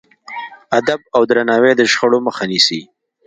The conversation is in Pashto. ادب او درناوی د شخړو مخه نیسي.